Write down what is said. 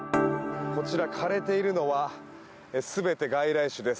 こちら、枯れているのは全て外来種です。